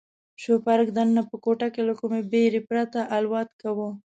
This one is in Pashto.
شوپرک دننه په کوټه کې له کومې بېرې پرته الوت کاوه.